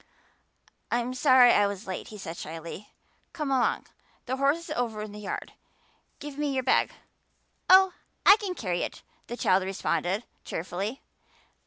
"I'm sorry I was late," he said shyly. "Come along. The horse is over in the yard. Give me your bag." "Oh, I can carry it," the child responded cheerfully.